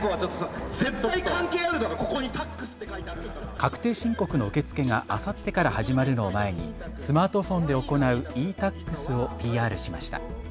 確定申告の受け付けがあさってから始まるのを前にスマートフォンで行うｅ−ＴａｘをＰＲしました。